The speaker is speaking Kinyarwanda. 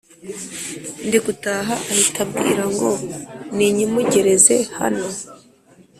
ndigutaha ahita abwira ngo ninyimugereze hano